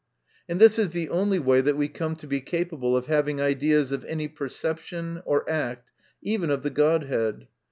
And this is the only way that we come to be capable of having ideas of any perception or act even of the Godhead.